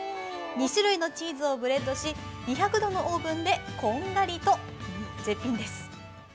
２種類のチーズをブレンドし、２００度のオーブンでこんがりと、絶品です。